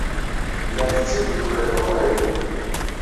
Llant d timeddukal tuqribin.